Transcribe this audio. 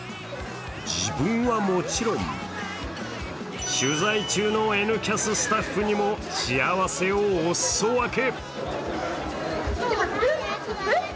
自分はもちろん取材中の「Ｎキャス」スタッフにも幸せをお裾分け。